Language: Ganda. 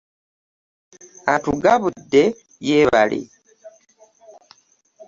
Arugabudde yeebale.